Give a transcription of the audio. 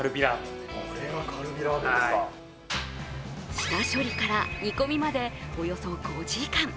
下処理から煮込みまで、およそ５時間。